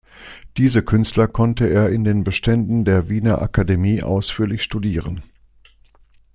Diese Künstler konnte er in den Beständen der Wiener Akademie ausführlich studieren.